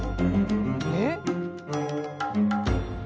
えっ！